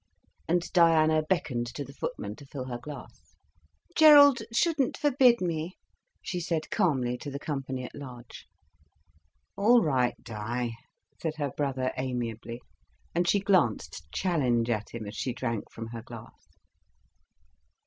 And Diana beckoned to the footman to fill her glass. "Gerald shouldn't forbid me," she said calmly, to the company at large. "All right, Di," said her brother amiably. And she glanced challenge at him as she drank from her glass.